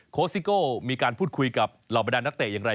ซิโก้มีการพูดคุยกับเหล่าบรรดานนักเตะอย่างไร